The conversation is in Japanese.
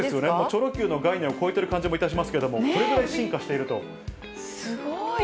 チョロＱの概念を超えてる感じもいたしますけれども、これぐすごい。